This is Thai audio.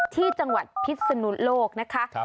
ที่จังหวัดพิษนุโลกนะคะ